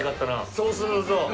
そうそうそう。